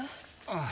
ああ。